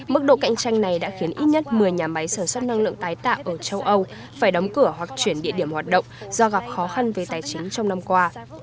mức độ cạnh tranh này đã khiến ít nhất một mươi nhà máy sản xuất năng lượng tái tạo ở châu âu phải đóng cửa hoặc chuyển địa điểm hoạt động do gặp khó khăn về tài chính trong năm qua